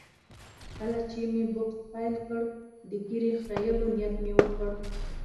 کله چې مې بوکس پیل کړ، د ږیرې خریلو نیت مې وکړ.